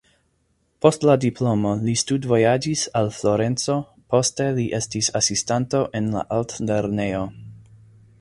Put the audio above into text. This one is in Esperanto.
Post la diplomo li studvojaĝis al Florenco, poste li estis asistanto en la altlernejo.